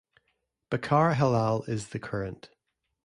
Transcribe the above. Bechara Helal is the current.